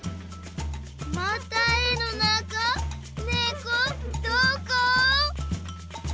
また絵のなかねこどこ？